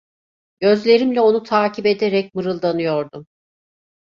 Gözlerimle onu takip ederek mırıldanıyordum.